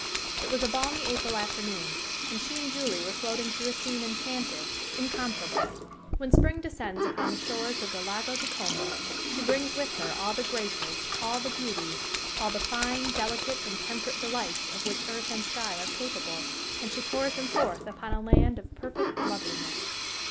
It was a balmy April afternoon, and she and Julie were floating through a scene enchanted, incomparable. When spring descends upon the shores of the Lago di Como, she brings with her all the graces, all the beauties, all the fine, delicate, and temperate delights of which earth and sky are capable, and she pours them forth upon a land of perfect loveliness.